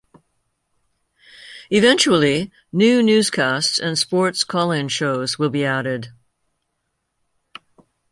Eventually, new newscasts and sports call-in shows will be added.